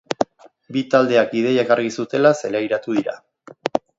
Bi taldeak ideiak argi zutela zelairatu dira.